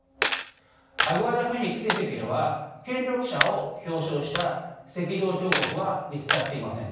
アグアダ・フェニックス遺跡では権力者を表象した石造彫刻は見つかっていません。